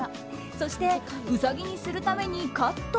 そしてウサギにするためにカット。